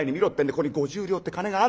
ここに５０両って金があんだ。